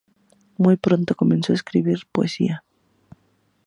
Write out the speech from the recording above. Muy pronto comenzó a escribir poesía.